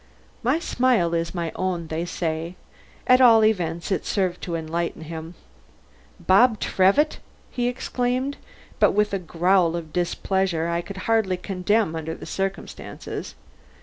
My smile is my own, they say; at all events it served to enlighten him. "Bob Trevitt," he exclaimed, but with a growl of displeasure I could hardly condemn under the circumstances.